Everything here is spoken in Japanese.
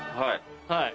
はい。